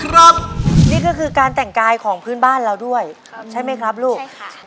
ครับนี่ก็คือการแต่งกายของพื้นบ้านเราด้วยใช่ไหมครับลูกค่ะ